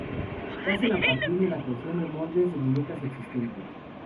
Se hacen a partir de la creación de moldes de muñecas existentes.